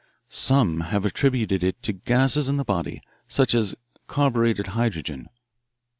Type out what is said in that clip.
"'Some have attributed it to gases in the body, such as carbureted hydrogen.